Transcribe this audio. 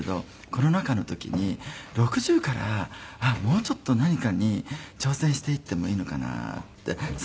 コロナ禍の時に６０からもうちょっと何かに挑戦していってもいいのかなってその時の感覚で。